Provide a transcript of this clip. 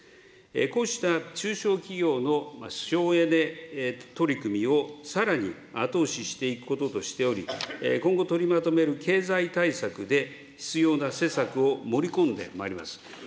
こうした中小企業の省エネ取り組みをさらに後押ししていくこととしており、今後取りまとめる経済対策で必要な施策を盛り込んでまいります。